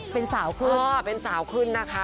เป็นสาวขึ้นเป็นสาวขึ้นนะคะ